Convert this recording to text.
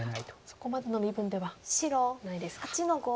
そこまでの身分ではないですか。